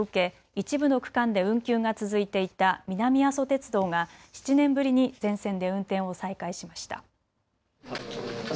一部の区間で運休が続いていた南阿蘇鉄道が７年ぶりに全線で運転を再開しました。